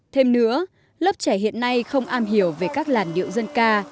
thêm nữa lớp trẻ hiện nay không am hiểu về các làn điệu dân ca